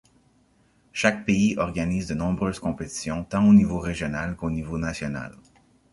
Chaque pays organise de nombreuses compétitions, tant au niveau régional qu'au niveau national.